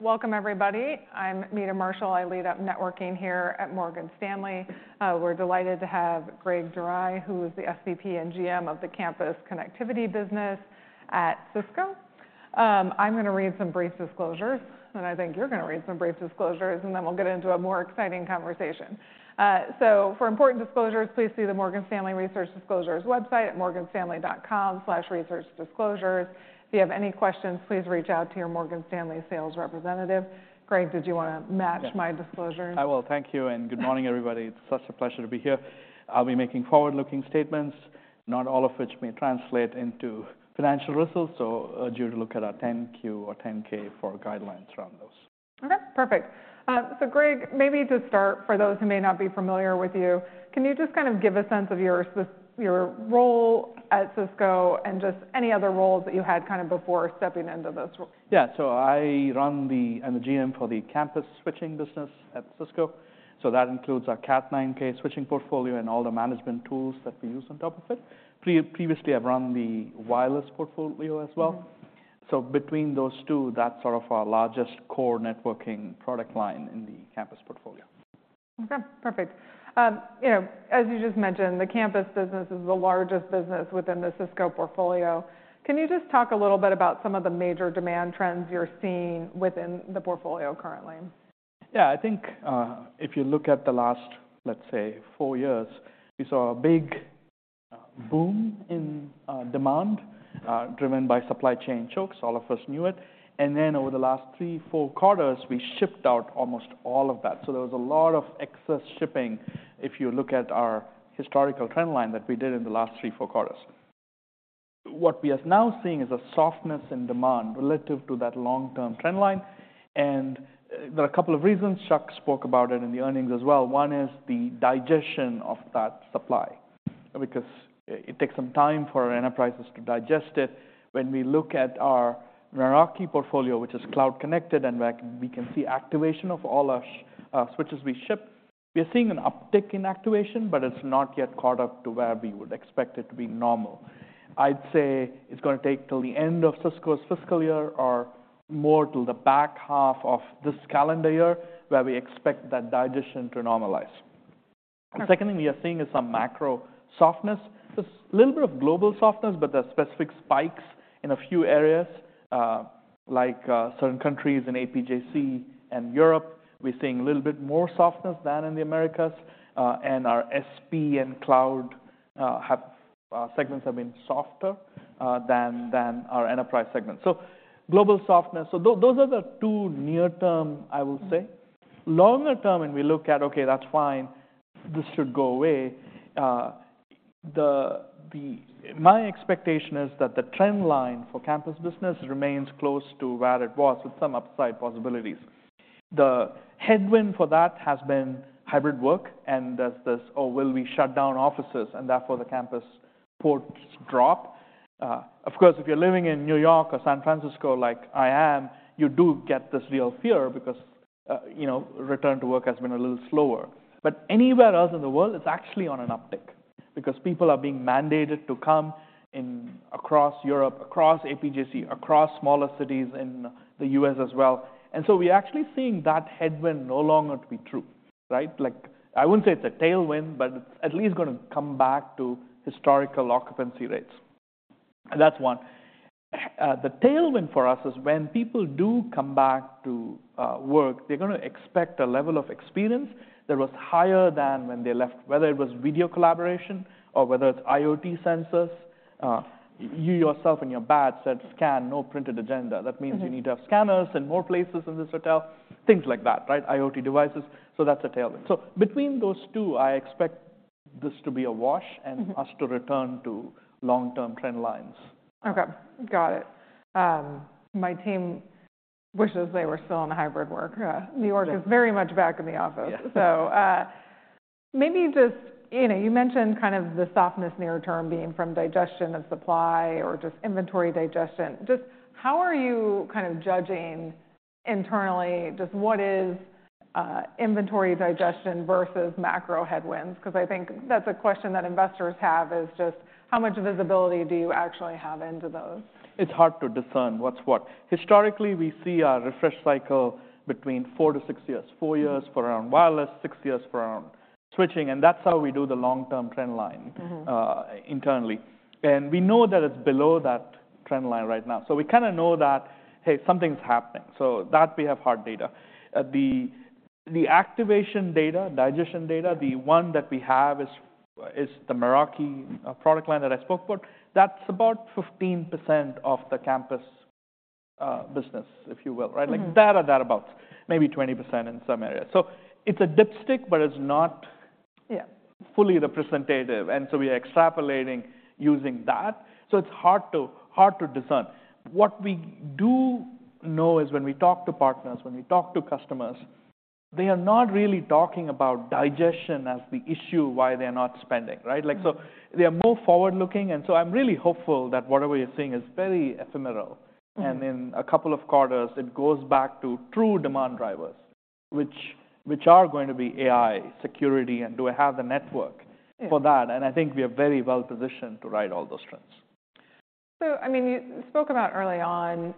Welcome, everybody. I'm Meta Marshall. I lead up networking here at Morgan Stanley. We're delighted to have Greg Dorai, who is the SVP and GM of the Campus Connectivity business at Cisco. I'm gonna read some brief disclosures, and I think you're gonna read some brief disclosures, and then we'll get into a more exciting conversation. So for important disclosures, please see the Morgan Stanley Research disclosures website at morganstanley.com/researchdisclosures. If you have any questions, please reach out to your Morgan Stanley sales representative. Greg, did you wanna match my disclosures? I will. Thank you, and good morning, everybody. It's such a pleasure to be here. I'll be making forward-looking statements, not all of which may translate into financial results, so I urge you to look at our 10-Q or 10-K for guidelines around those. Okay, perfect. So Greg, maybe just start, for those who may not be familiar with you, can you just kind of give a sense of your role at Cisco and just any other roles that you had kinda before stepping into this role? Yeah. So I run the... I'm the GM for the campus switching business at Cisco, so that includes our Cat9K switching portfolio and all the management tools that we use on top of it. Previously, I've run the wireless portfolio as well. Mm-hmm. So between those two, that's sort of our largest core networking product line in the campus portfolio. Okay, perfect. You know, as you just mentioned, the campus business is the largest business within the Cisco portfolio. Can you just talk a little bit about some of the major demand trends you're seeing within the portfolio currently? Yeah, I think, if you look at the last, let's say, four years, we saw a big boom in demand driven by supply chain chokes. All of us knew it, and then over the last three, four quarters, we shipped out almost all of that. So there was a lot of excess shipping if you look at our historical trend line that we did in the last three, four quarters. What we are now seeing is a softness in demand relative to that long-term trend line, and there are a couple of reasons. Chuck spoke about it in the earnings as well. One is the digestion of that supply, because it takes some time for enterprises to digest it. When we look at our Meraki portfolio, which is cloud connected, and where we can see activation of all our switches we ship, we are seeing an uptick in activation, but it's not yet caught up to where we would expect it to be normal. I'd say it's gonna take till the end of Cisco's fiscal year or more to the back half of this calendar year, where we expect that digestion to normalize. Okay. The second thing we are seeing is some macro softness, just a little bit of global softness, but there are specific spikes in a few areas, like, certain countries in APJC and Europe. We're seeing a little bit more softness than in the Americas, and our SP and cloud segments have been softer than our enterprise segments. So global softness. So those are the two near-term, I would say. Mm-hmm. Longer term, when we look at, okay, that's fine, this should go away. My expectation is that the trend line for campus business remains close to where it was, with some upside possibilities. The headwind for that has been hybrid work and there's this, oh, will we shut down offices, and therefore the campus ports drop? Of course, if you're living in New York or San Francisco, like I am, you do get this real fear because, you know, return to work has been a little slower. But anywhere else in the world, it's actually on an uptick because people are being mandated to come in across Europe, across APJC, across smaller cities in the U.S. as well, and so we're actually seeing that headwind no longer to be true, right? Like, I wouldn't say it's a tailwind, but it's at least gonna come back to historical occupancy rates. That's one. The tailwind for us is when people do come back to work, they're gonna expect a level of experience that was higher than when they left, whether it was video collaboration or whether it's IoT sensors. You yourself in your badge said, "Scan, no printed agenda. Mm-hmm. That means you need to have scanners in more places in this hotel, things like that, right? IoT devices. So that's a tailwind. So between those two, I expect this to be a wash- Mm-hmm... and us to return to long-term trend lines. Okay, got it. My team wishes they were still on hybrid work. New York- Yeah... is very much back in the office. Yeah. So, maybe just, you know, you mentioned kind of the softness near term being from digestion of supply or just inventory digestion. Just how are you kind of judging internally, just what is, inventory digestion versus macro headwinds? 'Cause I think that's a question that investors have, is just: how much visibility do you actually have into those? It's hard to discern what's what. Historically, we see a refresh cycle between four-six years. four years for our wireless, six years for our switching, and that's how we do the long-term trend line- Mm-hmm... internally. And we know that it's below that trend line right now. So we kinda know that, hey, something's happening, so that we have hard data. The activation data, digestion data, the one that we have is the Meraki product line that I spoke about. That's about 15% of the campus business, if you will, right? Mm-hmm. Like that or that about, maybe 20% in some areas. So it's a dipstick, but it's not- Yeah... fully representative, and so we are extrapolating using that, so it's hard to, hard to discern. What we do know is when we talk to partners, when we talk to customers, they are not really talking about digestion as the issue why they're not spending, right? Mm-hmm. Like, so they are more forward-looking, and so I'm really hopeful that what we are seeing is very ephemeral. Mm-hmm... and in a couple of quarters, it goes back to true demand drivers, which are going to be AI, security, and do I have the network for that? Yeah. I think we are very well positioned to ride all those trends.... So, I mean, you spoke about early on,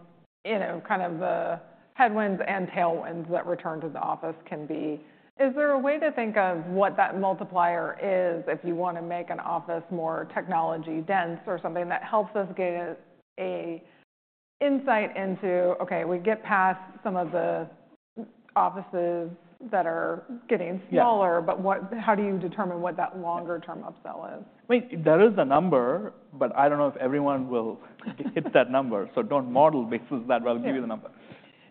you know, kind of the headwinds and tailwinds that return to the office can be. Is there a way to think of what that multiplier is if you want to make an office more technology-dense or something that helps us get an insight into, okay, we get past some of the offices that are getting smaller- Yeah. What, how do you determine what that longer term upsell is? I mean, there is a number, but I don't know if everyone will hit that number. So don't model based on that, but I'll give you the number.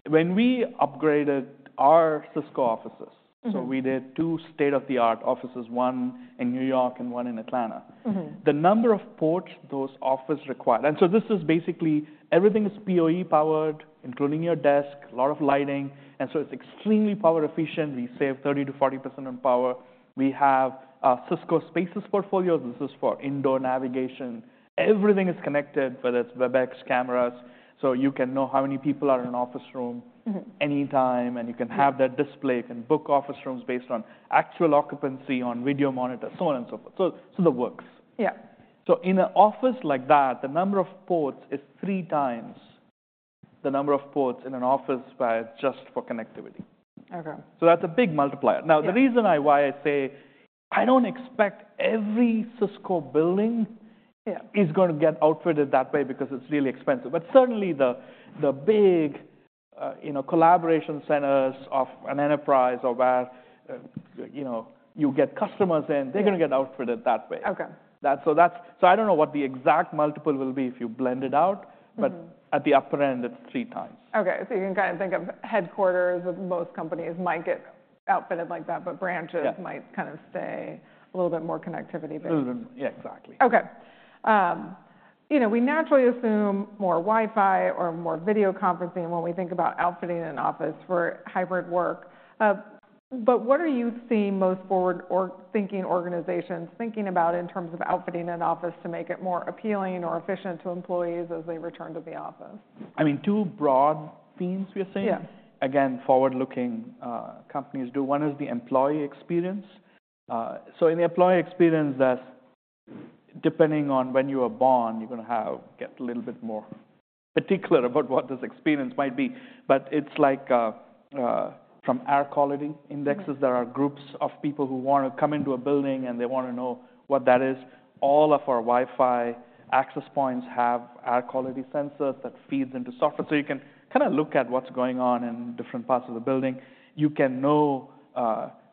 Sure. When we upgraded our Cisco offices- Mm-hmm. So we did two state-of-the-art offices, one in New York and one in Atlanta. Mm-hmm. The number of ports those offices required. And so this is basically everything is PoE powered, including your desk, a lot of lighting, and so it's extremely power efficient. We save 30%-40% on power. We have Cisco Spaces portfolio. This is for indoor navigation. Everything is connected, whether it's Webex cameras, so you can know how many people are in an office room- Mm-hmm Anytime, and you can have that display. You can book office rooms based on actual occupancy, on video monitors, so on and so forth. So, so it works. Yeah. In an office like that, the number of ports is three times the number of ports in an office built just for connectivity. Okay. So that's a big multiplier. Yeah. Now, the reason why I say I don't expect every Cisco building- Yeah - is going to get outfitted that way because it's really expensive. But certainly the big, you know, collaboration centers of an enterprise or where, you know, you get customers in- Yeah They're going to get outfitted that way. Okay. So I don't know what the exact multiple will be if you blend it out- Mm-hmm. but at the upper end, it's 3x. Okay. So you can kinda think of headquarters of most companies might get outfitted like that, but branches- Yeah might kind of stay a little bit more connectivity-based. Mm-hmm. Yeah, exactly. Okay. You know, we naturally assume more Wi-Fi or more video conferencing when we think about outfitting an office for hybrid work. But what are you seeing most forward-thinking organizations thinking about in terms of outfitting an office to make it more appealing or efficient to employees as they return to the office? I mean, two broad themes we are seeing. Yeah. Again, forward-looking, companies do. One is the employee experience. So in the employee experience, that's depending on when you are born, you're gonna get a little bit more particular about what this experience might be. But it's like, from air quality indexes. Mm-hmm. There are groups of people who want to come into a building, and they want to know what that is. All of our Wi-Fi access points have air quality sensors that feeds into software, so you can kinda look at what's going on in different parts of the building. You can know,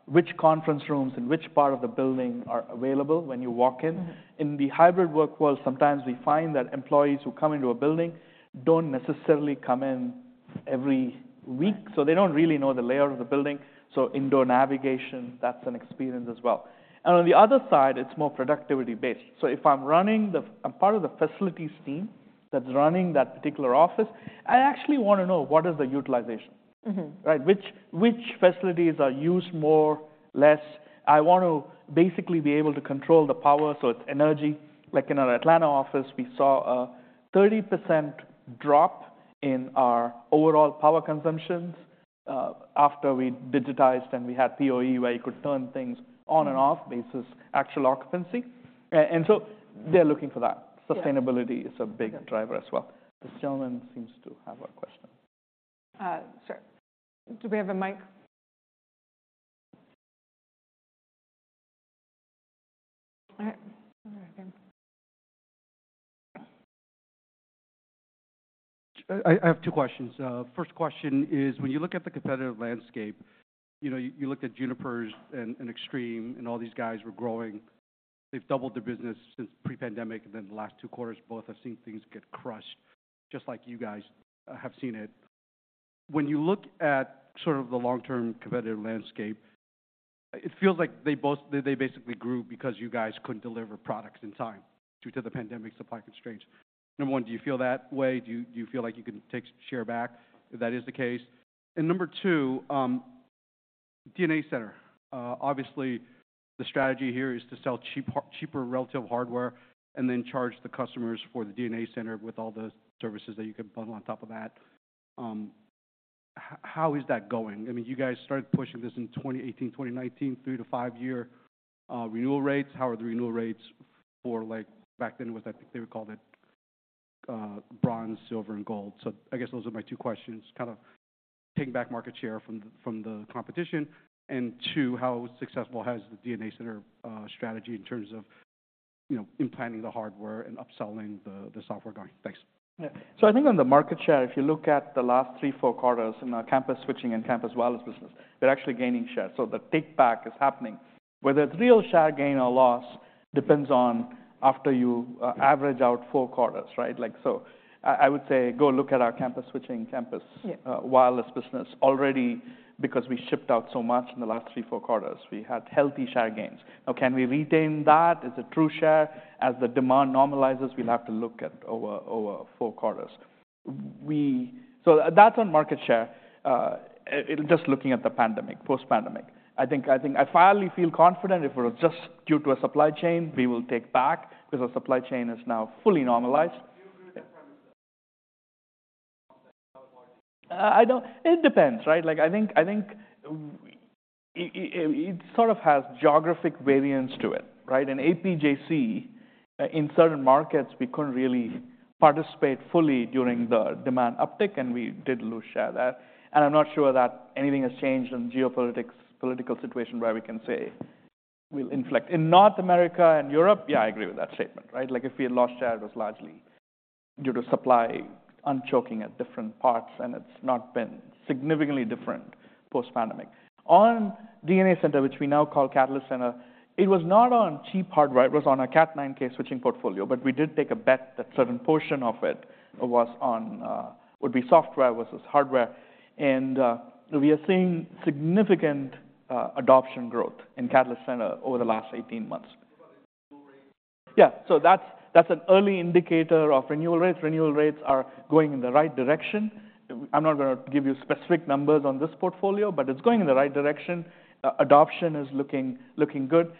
which conference rooms and which part of the building are available when you walk in. Mm-hmm. In the hybrid work world, sometimes we find that employees who come into a building don't necessarily come in every week, so they don't really know the layout of the building. So indoor navigation, that's an experience as well. And on the other side, it's more productivity-based. So if I'm part of the facilities team that's running that particular office, I actually want to know, what is the utilization? Mm-hmm. Right? Which, which facilities are used more, less? I want to basically be able to control the power, so it's energy. Like in our Atlanta office, we saw a 30% drop in our overall power consumptions after we digitized and we had PoE, where you could turn things on and off- Mm-hmm - based on actual occupancy. And so they're looking for that. Yeah. Sustainability is a big driver as well. This gentleman seems to have a question. Sure. Do we have a mic? All right. I have two questions. First question is, when you look at the competitive landscape, you know, you looked at Juniper and Extreme, and all these guys were growing. They've doubled their business since pre-pandemic, and then the last two quarters, both have seen things get crushed, just like you guys have seen it. When you look at sort of the long-term competitive landscape, it feels like they both, they basically grew because you guys couldn't deliver products in time due to the pandemic supply constraints. Number one, do you feel that way? Do you feel like you can take share back if that is the case? And number two, DNA Center. Obviously, the strategy here is to sell cheaper relative hardware and then charge the customers for the DNA Center with all the services that you can bundle on top of that. How is that going? I mean, you guys started pushing this in 2018, 2019, three- to five-year renewal rates. How are the renewal rates for, like... Back then, it was, I think they were called it, bronze, silver, and gold. So I guess those are my two questions, kind of taking back market share from the, from the competition, and two, how successful has the DNA Center strategy in terms of, you know, implementing the hardware and upselling the software going? Thanks. Yeah. So I think on the market share, if you look at the last three-four quarters in our campus switching and campus wireless business, they're actually gaining share. So the takeback is happening. Whether it's real share gain or loss depends on after you average out four quarters, right? Like, so I would say go look at our campus switching, campus- Yeah Wireless business already because we shipped out so much in the last three, four quarters. We had healthy share gains. Now, can we retain that? Is it true share? As the demand normalizes- Mm-hmm We'll have to look at over four quarters. So that's on market share. Just looking at the pandemic, post-pandemic. I think I finally feel confident if it was just due to a supply chain, we will take back because our supply chain is now fully normalized. I don't—it depends, right? Like, I think it sort of has geographic variance to it, right? In APJC, in certain markets, we couldn't really participate fully during the demand uptick, and we did lose share there. And I'm not sure that anything has changed in geopolitics, political situation, where we can say we'll inflect. In North America and Europe, yeah, I agree with that statement, right? Like, if we had lost share, it was largely due to supply unchoking at different parts, and it's not been significantly different post-pandemic. On DNA Center, which we now call Catalyst Center, it was not on cheap hardware. It was on a Cat9K switching portfolio, but we did take a bet that a certain portion of it was on, would be software versus hardware. We are seeing significant adoption growth in Catalyst Center over the last 18 months. What about the renewal rates? Yeah, so that's an early indicator of renewal rates. Renewal rates are going in the right direction. I'm not gonna give you specific numbers on this portfolio, but it's going in the right direction. Adoption is looking good.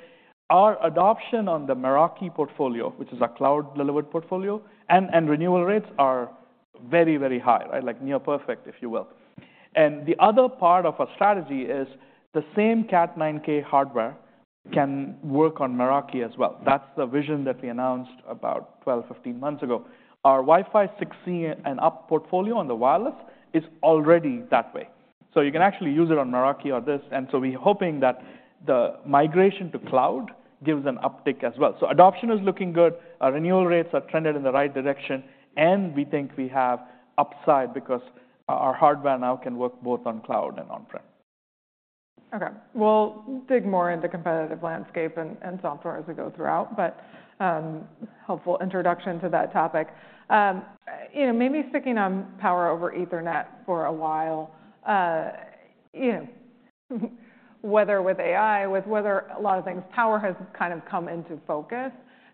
Our adoption on the Meraki portfolio, which is our cloud-delivered portfolio, and renewal rates are very, very high, right? Like, near perfect, if you will. And the other part of our strategy is the same Cat9K hardware can work on Meraki as well. That's the vision that we announced about 12-15 months ago. Our Wi-Fi 6E and up portfolio on the wireless is already that way. So you can actually use it on Meraki or this, and so we're hoping that the migration to cloud gives an uptick as well. So adoption is looking good, our renewal rates are trending in the right direction, and we think we have upside because our hardware now can work both on cloud and on-prem. Okay. We'll dig more into competitive landscape and software as we go throughout, but, helpful introduction to that topic. You know, maybe sticking on Power over Ethernet for a while, you know, whether with AI, with whether a lot of things, power has kind of come into focus.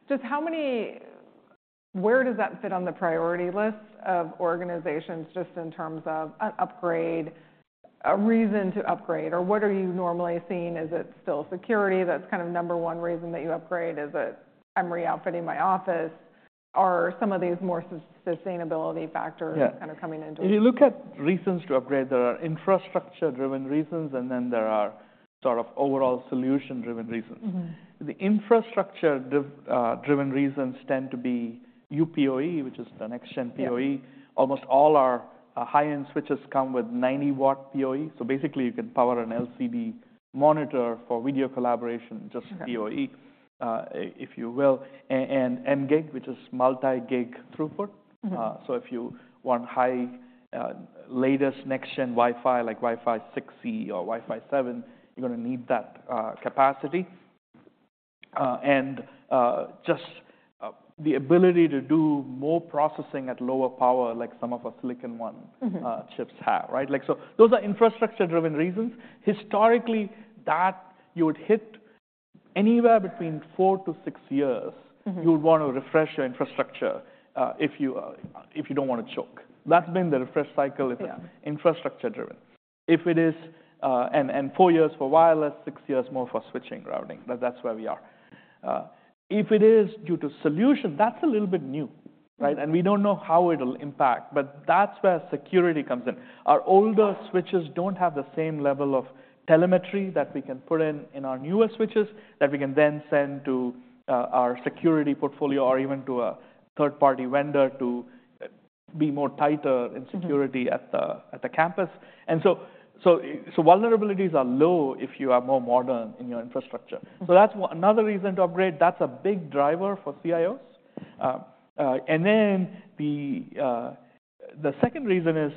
Just how many... Where does that fit on the priority list of organizations, just in terms of an upgrade, a reason to upgrade, or what are you normally seeing? Is it still security that's kind of number one reason that you upgrade? Is it, "I'm reoutfitting my office?" Are some of these more sustainability factors- Yeah - Kind of coming into it? If you look at reasons to upgrade, there are infrastructure-driven reasons, and then there are sort of overall solution-driven reasons. Mm-hmm. The infrastructure div driven reasons tend to be UPOE, which is the next-gen PoE. Yeah. Almost all our high-end switches come with 90-W PoE, so basically, you can power an LCD monitor for video collaboration. Okay... just PoE, if you will, and mGig, which is multi-gig throughput. Mm-hmm. So if you want high latest next-gen Wi-Fi, like Wi-Fi 6E or Wi-Fi 7, you're gonna need that capacity. And just the ability to do more processing at lower power, like some of our Silicon One- Mm-hmm... chips have, right? Like, so those are infrastructure-driven reasons. Historically, that you would hit anywhere between four-six years- Mm-hmm... you would want to refresh your infrastructure, if you, if you don't want to choke. That's been the refresh cycle- Yeah... if infrastructure driven. If it is, and four years for wireless, six years more for switching routing, but that's where we are. If it is due to solution, that's a little bit new, right? Mm. We don't know how it'll impact, but that's where security comes in. Our older switches don't have the same level of telemetry that we can put in in our newer switches, that we can then send to our security portfolio or even to a third-party vendor to be more tighter- Mm-hmm... in security at the campus. So vulnerabilities are low if you are more modern in your infrastructure. Mm. That's another reason to upgrade. That's a big driver for CIOs. Then the second reason is,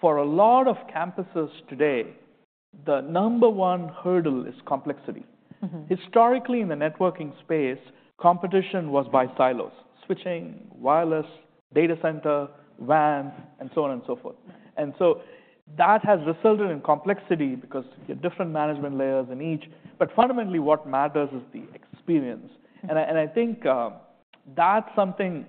for a lot of campuses today, the number one hurdle is complexity. Mm-hmm. Historically, in the networking space, competition was by silos: switching, wireless, data center, WAN, and so on and so forth. And so that has resulted in complexity because you have different management layers in each, but fundamentally, what matters is the experience. Mm. I think that's something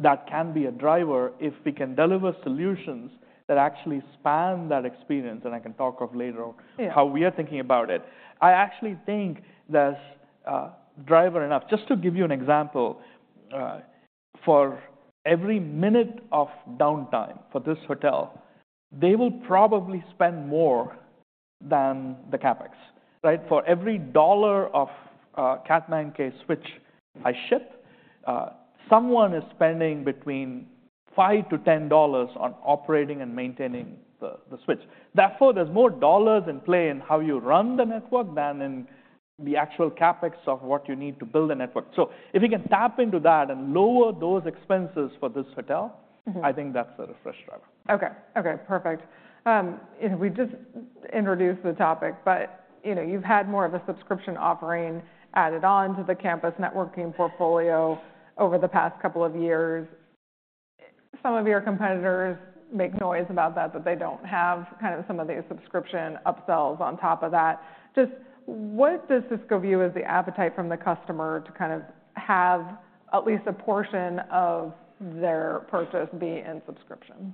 that can be a driver if we can deliver solutions that actually span that experience, and I can talk of later on. Yeah... how we are thinking about it. I actually think that's a driver enough. Just to give you an example, for every minute of downtime for this hotel, they will probably spend more than the CapEx, right? For every dollar of Cat9K switch I ship, someone is spending between $5-$10 on operating and maintaining the, the switch. Therefore, there's more dollars in play in how you run the network than in the actual CapEx of what you need to build a network. So if we can tap into that and lower those expenses for this hotel- Mm-hmm... I think that's a refresh driver. Okay. Okay, perfect. You know, we just introduced the topic, but, you know, you've had more of a subscription offering added on to the campus networking portfolio over the past couple of years. Some of your competitors make noise about that, that they don't have kind of some of these subscription upsells on top of that. Just what does Cisco view as the appetite from the customer to kind of have at least a portion of their purchase be in subscription?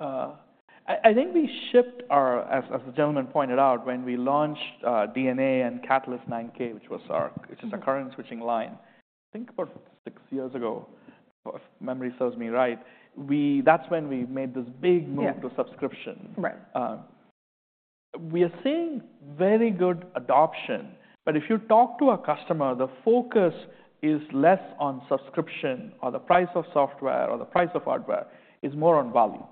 I think we shipped our, as the gentleman pointed out, when we launched DNA and Catalyst 9K, which is our current switching line, I think about six years ago, if memory serves me right, that's when we made this big move. Yeah... to subscription. Right. We are seeing very good adoption, but if you talk to a customer, the focus is less on subscription or the price of software or the price of hardware. It's more on value,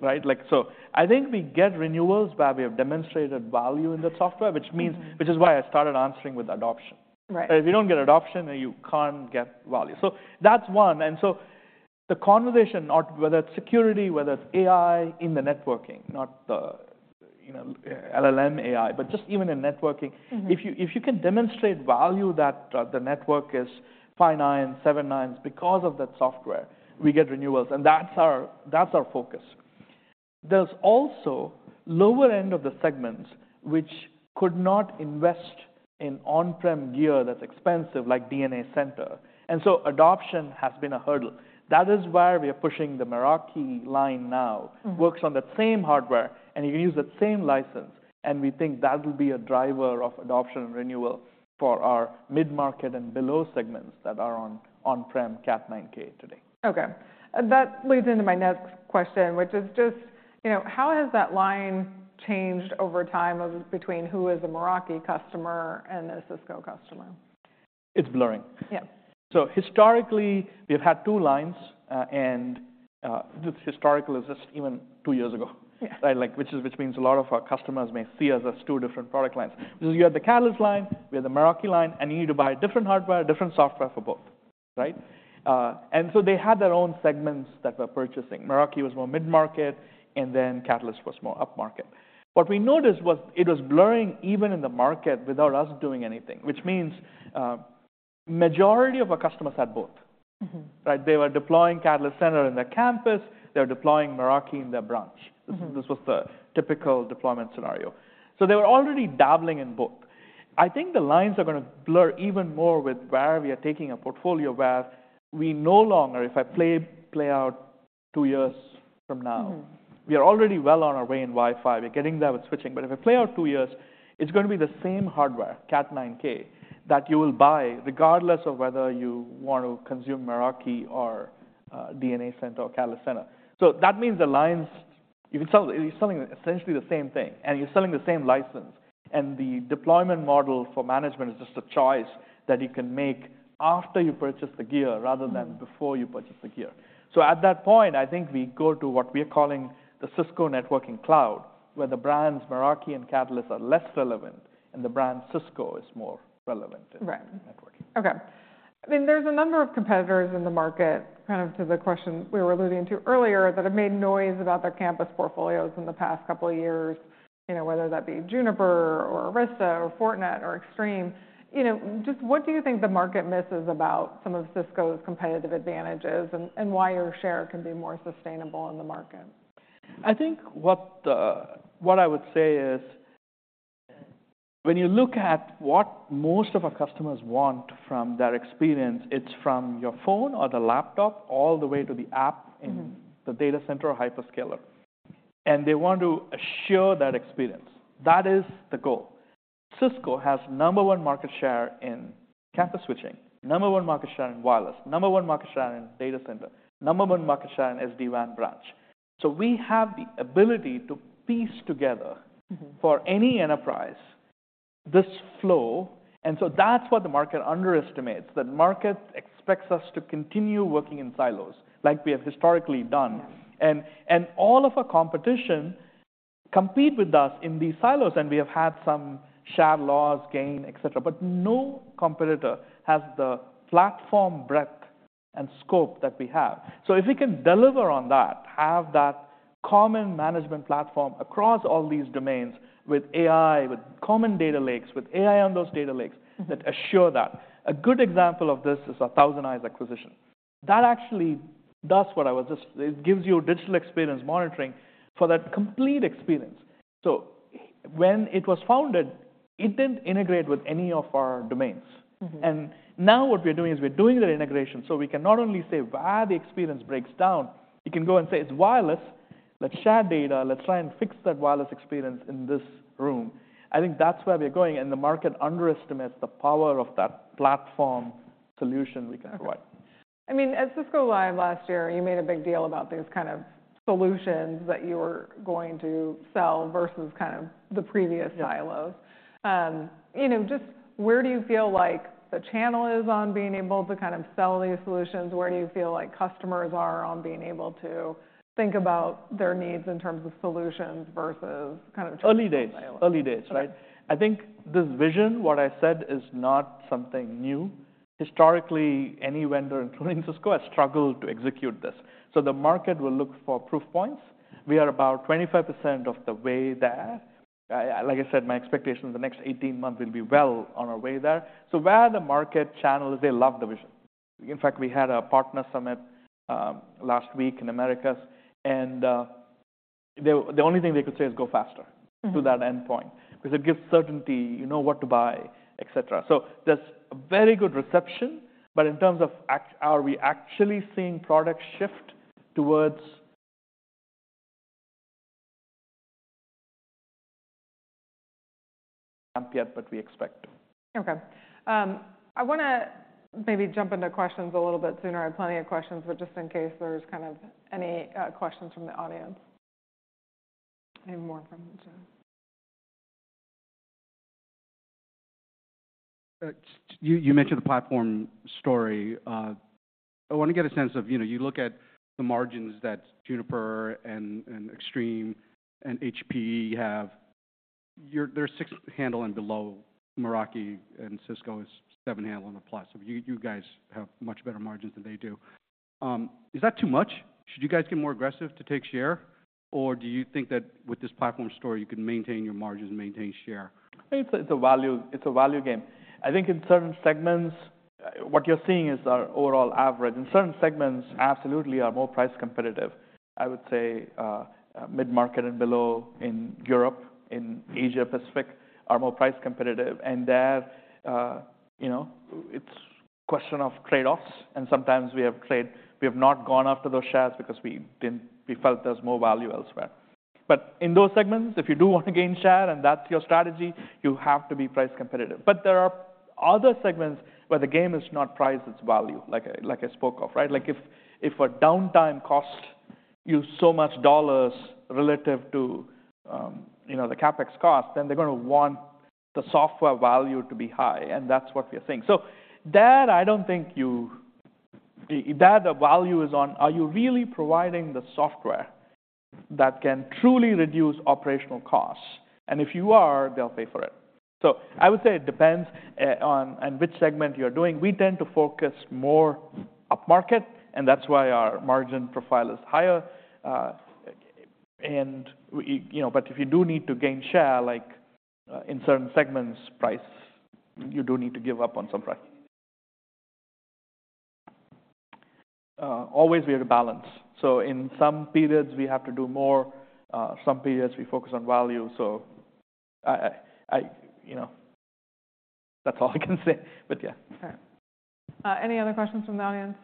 right? Like, so I think we get renewals where we have demonstrated value in the software, which means- Mm-hmm. Which is why I started answering with adoption. Right. If you don't get adoption, then you can't get value. So that's one, and so the conversation, not whether it's security, whether it's AI in the networking, not the, you know, LLM AI, but just even in networking. Mm-hmm. If you can demonstrate value that the network is five nines, seven nines because of that software, we get renewals, and that's our focus. There's also lower end of the segments, which could not invest in on-prem gear that's expensive, like DNA Center, and so adoption has been a hurdle. That is why we are pushing the Meraki line now. Mm. Works on the same hardware, and you can use the same license, and we think that will be a driver of adoption and renewal for our mid-market and below segments that are on-prem Cat 9K today. Okay. That leads into my next question, which is just, you know, how has that line changed over time of between who is a Meraki customer and a Cisco customer? It's blurring. Yeah. Historically, we've had two lines, and this historical is just even two years ago. Yeah. Right, like, which means a lot of our customers may see us as two different product lines. You have the Catalyst line, we have the Meraki line, and you need to buy different hardware, different software for both, right? And so they had their own segments that were purchasing. Meraki was more mid-market, and then Catalyst was more upmarket. What we noticed was it was blurring even in the market without us doing anything, which means majority of our customers had both. Mm-hmm. Right? They were deploying Catalyst Center in their campus, they were deploying Meraki in their branch. Mm-hmm. This was the typical deployment scenario. So they were already dabbling in both. I think the lines are gonna blur even more with where we are taking a portfolio, where we no longer, if I play out two years from now- Mm ... we are already well on our way in Wi-Fi. We're getting there with switching, but if I play out two years, it's gonna be the same hardware, Cat 9K, that you will buy, regardless of whether you want to consume Meraki or DNA Center or Catalyst Center. So that means the lines, you can sell—you're selling essentially the same thing, and you're selling the same license, and the deployment model for management is just a choice that you can make after you purchase the gear- Mm... rather than before you purchase the gear. So at that point, I think we go to what we are calling the Cisco Networking Cloud, where the brands Meraki and Catalyst are less relevant, and the brand Cisco is more relevant in- Right -networking. Okay. I mean, there's a number of competitors in the market, kind of to the question we were alluding to earlier, that have made noise about their campus portfolios in the past couple of years, you know, whether that be Juniper or Arista or Fortinet or Extreme. You know, just what do you think the market misses about some of Cisco's competitive advantages and, and why your share can be more sustainable in the market? I think what, what I would say is, when you look at what most of our customers want from their experience, it's from your phone or the laptop all the way to the app- Mm-hmm... in the data center or hyperscaler, and they want to assure that experience. That is the goal. Cisco has number one market share in campus switching, number one market share in wireless, number one market share in data center, number one market share in SD-WAN branch. So we have the ability to piece together- Mm-hmm... for any enterprise, this flow, and so that's what the market underestimates. The market expects us to continue working in silos like we have historically done. Yeah. And all of our competition compete with us in these silos, and we have had some share loss, gain, et cetera, but no competitor has the platform breadth and scope that we have. So if we can deliver on that, have that common management platform across all these domains with AI, with common data lakes, with AI on those data lakes- Mm-hmm... that assure that. A good example of this is a ThousandEyes acquisition. That actually does what I was just-- It gives you digital experience monitoring for that complete experience. So when it was founded, it didn't integrate with any of our domains. Mm-hmm. And now, what we're doing is we're doing the integration, so we can not only say where the experience breaks down, you can go and say, "It's wireless. Let's share data. Let's try and fix that wireless experience in this room." I think that's where we're going, and the market underestimates the power of that platform solution we can provide. Okay. I mean, at Cisco Live last year, you made a big deal about these kind of solutions that you were going to sell versus kind of the previous silos. Yeah. You know, just where do you feel like the channel is on being able to kind of sell these solutions? Where do you feel like customers are on being able to think about their needs in terms of solutions versus kind of- Early days. Earlier silos. Early days, right? Right. I think this vision, what I said, is not something new. Historically, any vendor, including Cisco, has struggled to execute this. So the market will look for proof points. We are about 25% of the way there. Like I said, my expectation is the next 18 months will be well on our way there. So where the market channel is, they love the vision. In fact, we had a partner summit last week in Americas, and the only thing they could say is go faster- Mm-hmm. to that endpoint, because it gives certainty, you know what to buy, et cetera. So there's a very good reception, but in terms of actual, are we actually seeing product shift toward ramp yet, but we expect to. Okay. I wanna maybe jump into questions a little bit sooner. I have plenty of questions, but just in case there's kind of any questions from the audience. I have more from Jim. You mentioned the platform story. I wanna get a sense of, you know, you look at the margins that Juniper, and Extreme, and HPE have, they're six handle and below Meraki, and Cisco is seven handle on the plus. So you guys have much better margins than they do. Is that too much? Should you guys get more aggressive to take share, or do you think that with this platform story, you can maintain your margins and maintain share? It's a value game. I think in certain segments, what you're seeing is our overall average. In certain segments, absolutely are more price competitive. I would say, mid-market and below in Europe, in Asia-Pacific, are more price competitive. And there, you know, it's a question of trade-offs, and sometimes we have traded. We have not gone after those shares because we felt there's more value elsewhere. But in those segments, if you do want to gain share and that's your strategy, you have to be price competitive. But there are other segments where the game is not price, it's value, like I spoke of, right? Like, if a downtime cost you so much dollars relative to, you know, the CapEx cost, then they're gonna want the software value to be high, and that's what we are seeing. The value is on, are you really providing the software that can truly reduce operational costs? And if you are, they'll pay for it. So I would say it depends on which segment you're doing. We tend to focus more upmarket, and that's why our margin profile is higher. And, you know, but if you do need to gain share, like, in certain segments, price, you do need to give up on some price. Always we have to balance. So in some periods, we have to do more, some periods we focus on value, so. You know, that's all I can say, but yeah. All right. Any other questions from the audience?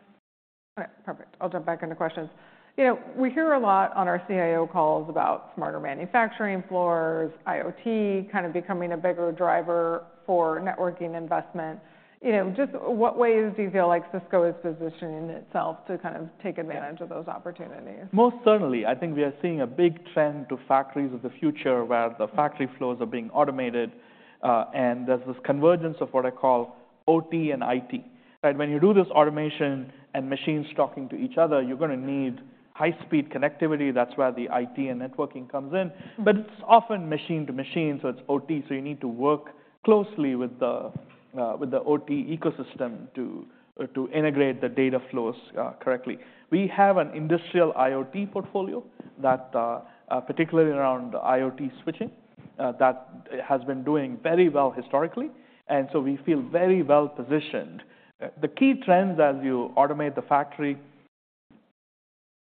All right, perfect. I'll jump back into questions. You know, we hear a lot on our CIO calls about smarter manufacturing floors, IoT kind of becoming a bigger driver for networking investment. You know, just what ways do you feel like Cisco is positioning itself to kind of take advantage of those opportunities? Most certainly, I think we are seeing a big trend to factories of the future, where the factory floors are being automated, and there's this convergence of what I call OT and IT, right? When you do this automation and machines talking to each other, you're gonna need high-speed connectivity. That's where the IT and networking comes in. Mm-hmm. But it's often machine to machine, so it's OT, so you need to work closely with the, with the OT ecosystem to, to integrate the data flows, correctly. We have an industrial IoT portfolio that, particularly around IoT switching, that has been doing very well historically, and so we feel very well positioned. The key trends as you automate the factory,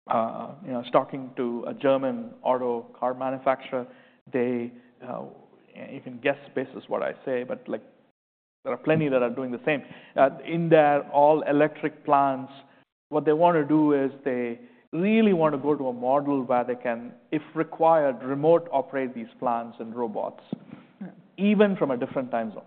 you know, talking to a German auto car manufacturer, they, you can guess basis what I say, but, like, there are plenty that are doing the same. In their all-electric plants, what they want to do is they really want to go to a model where they can, if required, remote operate these plants and robots- Mm-hmm. even from a different time zone.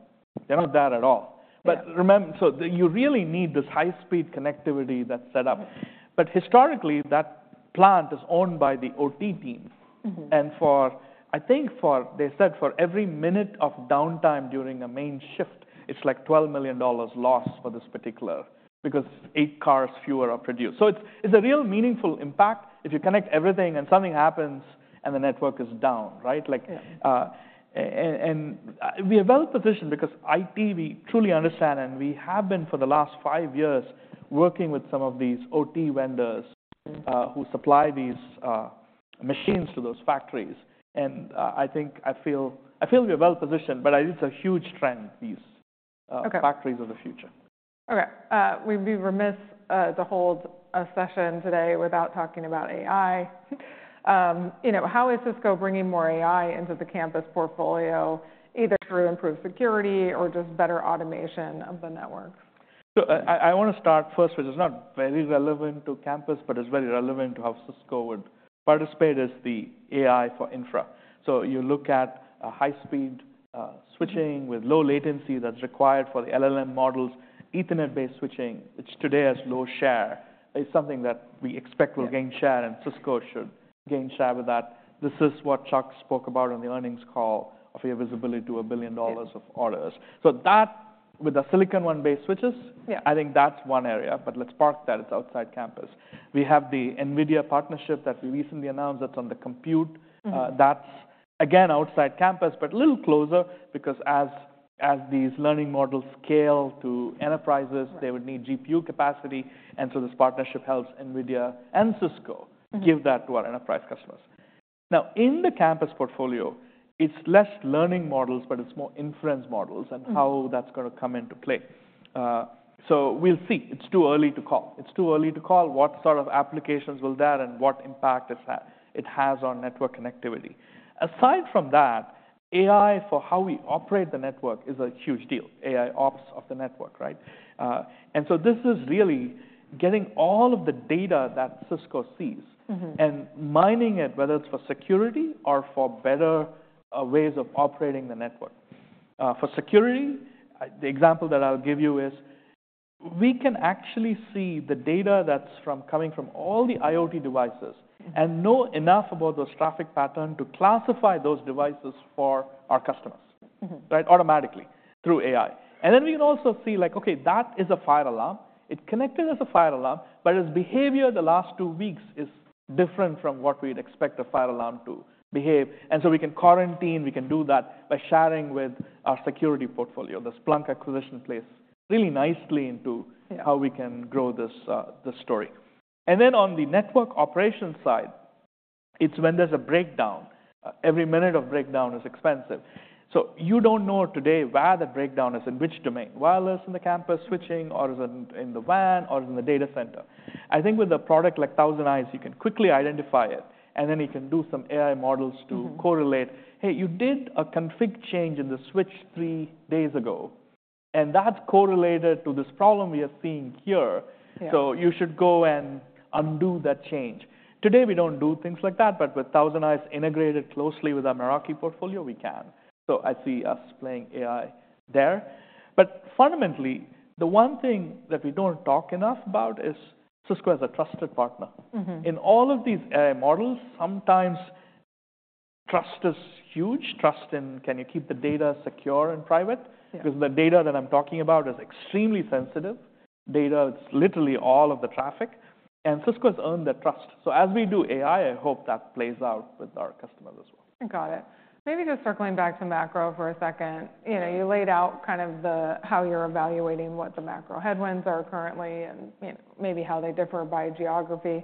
They're not there at all. Yeah. But remember... So you really need this high-speed connectivity that's set up. Mm-hmm. But historically, that plant is owned by the OT team. Mm-hmm. For, I think, they said for every minute of downtime during a main shift, it's like $12 million loss for this particular, because eight cars fewer are produced. So it's a real meaningful impact if you connect everything and something happens and the network is down, right? Like- Yeah. And we are well positioned because IT, we truly understand, and we have been, for the last five years, working with some of these OT vendors. Mm-hmm. who supply these machines to those factories, and I think, I feel, I feel we are well positioned, but it's a huge trend, these- Okay... factories of the future. Okay, we'd be remiss to hold a session today without talking about AI. You know, how is Cisco bringing more AI into the campus portfolio, either through improved security or just better automation of the networks? So I wanna start first, which is not very relevant to campus, but is very relevant to how Cisco would participate, is the AI for infra. So you look at a high-speed switching- Mm-hmm. with low latency that's required for the LLM models, Ethernet-based switching, which today has low share, is something that we expect will- Yeah gain share, and Cisco should gain share with that. This is what Chuck spoke about on the earnings call of your visibility to $1 billion. Yeah -of orders. So that, with the Silicon One-based switches- Yeah... I think that's one area, but let's park that. It's outside campus. We have the NVIDIA partnership that we recently announced. That's on the compute. Mm-hmm. That's again, outside campus, but a little closer because as these learning models scale to enterprises- Right... they would need GPU capacity, and so this partnership helps NVIDIA and Cisco- Mm-hmm... give that to our enterprise customers. Now, in the campus portfolio... it's less learning models, but it's more inference models... Mm. -and how that's gonna come into play. So we'll see. It's too early to call. It's too early to call what sort of applications will that and what impact it has on network connectivity. Aside from that, AI, for how we operate the network, is a huge deal, AIOps of the network, right? And so this is really getting all of the data that Cisco sees- Mm-hmm... and mining it, whether it's for security or for better, ways of operating the network. For security, the example that I'll give you is, we can actually see the data that's from, coming from all the IoT devices- Mm and know enough about those traffic patterns to classify those devices for our customers. Mm-hmm... right, automatically through AI. And then we can also see, like, okay, that is a fire alarm. It connected as a fire alarm, but its behavior the last two weeks is different from what we'd expect a fire alarm to behave, and so we can quarantine. We can do that by sharing with our security portfolio. The Splunk acquisition plays really nicely into- Yeah... how we can grow this, this story. And then on the network operations side, it's when there's a breakdown. Every minute of breakdown is expensive. So you don't know today where the breakdown is, in which domain: wireless in the campus, switching, or is it in the WAN or in the data center? I think with a product like ThousandEyes, you can quickly identify it, and then you can do some AI models to- Mm-hmm... correlate, "Hey, you did a config change in the switch three days ago, and that's correlated to this problem we are seeing here. Yeah. So you should go and undo that change." Today, we don't do things like that, but with ThousandEyes integrated closely with our Meraki portfolio, we can. So I see us playing AI there. But fundamentally, the one thing that we don't talk enough about is Cisco as a trusted partner. Mm-hmm. In all of these models, sometimes trust is huge, trust in can you keep the data secure and private? Yeah. 'Cause the data that I'm talking about is extremely sensitive. Data, it's literally all of the traffic, and Cisco has earned that trust. So as we do AI, I hope that plays out with our customers as well. I got it. Maybe just circling back to macro for a second. You know, you laid out kind of the, how you're evaluating what the macro headwinds are currently and, you know, maybe how they differ by geography.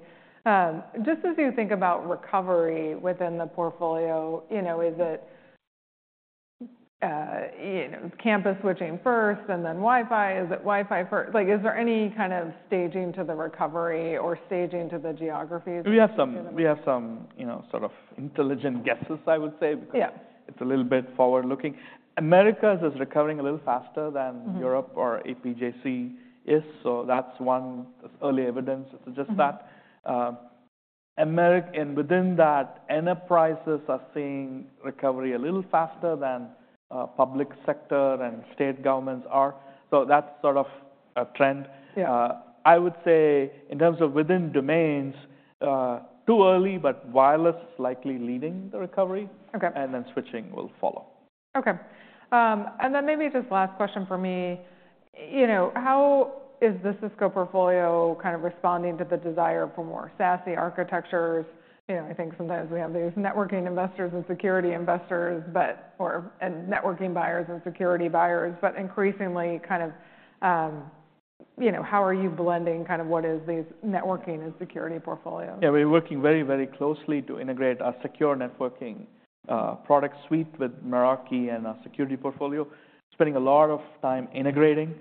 Just as you think about recovery within the portfolio, you know, is it, you know, campus switching first and then Wi-Fi? Is it Wi-Fi first? Like, is there any kind of staging to the recovery or staging to the geographies? We have some, you know, sort of intelligent guesses, I would say. Yeah... because it's a little bit forward-looking. Americas is recovering a little faster than- Mm-hmm... Europe or APJC is, so that's one. There's early evidence suggests that. Mm. Americas and within that, enterprises are seeing recovery a little faster than public sector and state governments are, so that's sort of a trend. Yeah. I would say in terms of within domains, too early, but wireless likely leading the recovery- Okay... and then switching will follow. Okay. And then maybe just last question from me: you know, how is the Cisco portfolio kind of responding to the desire for more SASE architectures? You know, I think sometimes we have these networking investors and security investors, but and networking buyers and security buyers, but increasingly, kind of, you know, how are you blending kind of what is these networking and security portfolios? Yeah, we're working very, very closely to integrate our secure networking product suite with Meraki and our security portfolio, spending a lot of time integrating.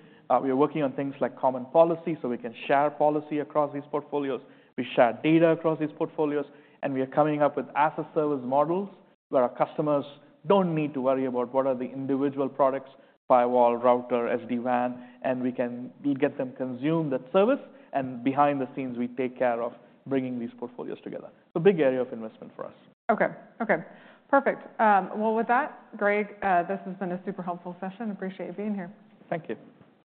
We are working on things like common policy, so we can share policy across these portfolios. We share data across these portfolios, and we are coming up with as-a-service models, where our customers don't need to worry about what are the individual products, firewall, router, SD-WAN, and we can-- we get them consume that service, and behind the scenes, we take care of bringing these portfolios together. So big area of investment for us. Okay. Okay, perfect. Well, with that, Greg, this has been a super helpful session. Appreciate you being here. Thank you.